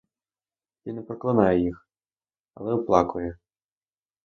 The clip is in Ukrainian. Він не проклинає їх, але оплакує.